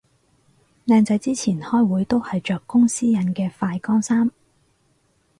靚仔之前開會都係着公司印嘅快乾衫